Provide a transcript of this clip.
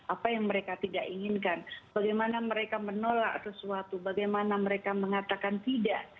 apa yang mereka tidak inginkan bagaimana mereka menolak sesuatu bagaimana mereka mengatakan tidak